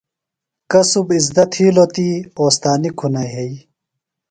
کصُب اِزدہ تِھیلوۡ تی، اوستانی کُھنہ یھئیۡ